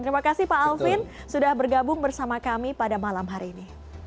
terima kasih pak alvin sudah bergabung bersama kami pada malam hari ini